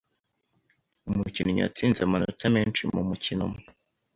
umukinnyi watsinze amanota menshi mu mukino umwe